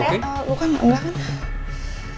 gue kan enggak kan